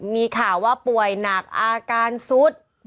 มีข่าวว่าป่วยหนักอาการซุด